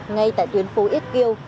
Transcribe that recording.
ngay tại tuyến phố yết kiêu